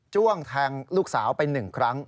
้วงแทงลูกสาวไป๑ครั้ง